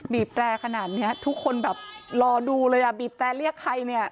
แตรขนาดนี้ทุกคนแบบรอดูเลยอ่ะบีบแตรเรียกใครเนี่ย